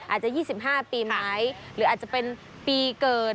อาจจะ๒๕ปีไหมหรืออาจจะเป็นปีเกิด